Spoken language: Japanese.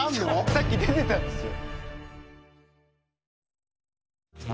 さっき出てたんですよ。